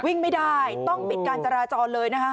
วิ่งไม่ได้ต้องปิดการจราจรเลยนะคะ